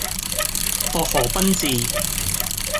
薄荷賓治